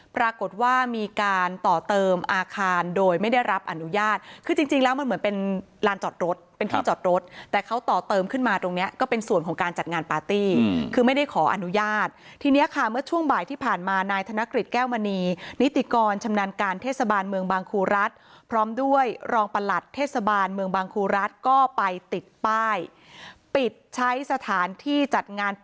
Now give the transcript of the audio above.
ปรากฏว่ามีการต่อเติมอาคารโดยไม่ได้รับอนุญาตคือจริงแล้วมันเหมือนเป็นลานจอดรถเป็นที่จอดรถแต่เขาต่อเติมขึ้นมาตรงเนี้ยก็เป็นส่วนของการจัดงานปาร์ตี้คือไม่ได้ขออนุญาตที่เนี้ยค่ะเมื่อช่วงบ่ายที่ผ่านมานายธนกฤษแก้วมณีนิติกรชำนาญการเทศบาลเมืองบางครูรัฐพร้อมด้วยรองประห